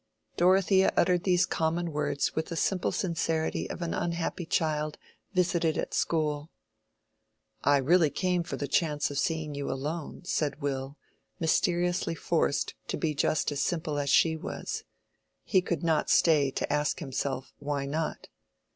Dorothea uttered these common words with the simple sincerity of an unhappy child, visited at school. "I really came for the chance of seeing you alone," said Will, mysteriously forced to be just as simple as she was. He could not stay to ask himself, why not?